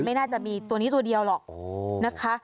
ไม่น่าจะมีตัวนี้ตัวเดียวหรอกนะคะ